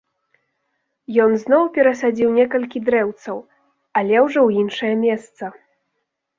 Ён зноў перасадзіў некалькі дрэўцаў, але ўжо ў іншае месца.